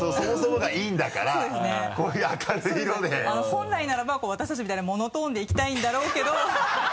本来ならば私たちみたいなモノトーンでいきたいんだろうけど。